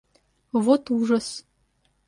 Вот ужас!